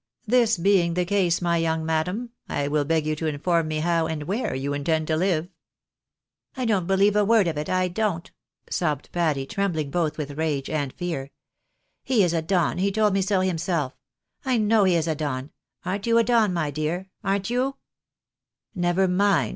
This being the case, my young madam, I will beg you to inform me how and where you intend to live ?"" I don't believe a word of it, I don't," sobbed Patty, trembling both with rage and fear. " He is a Don, he told me so himself ; I know he is a Don — arn't you a Don, my dear, arn't you V "" Never mind.